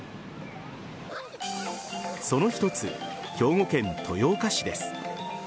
その一つ、兵庫県豊岡市です。